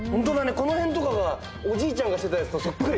このへんとかがおじいちゃんがしてたやつとそっくり。